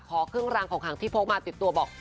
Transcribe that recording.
ขอเครื่องรางของขังที่พกมาติดตัวบอก